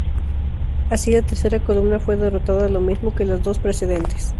Así, la tercera columna fue derrotada lo mismo que las dos precedentes.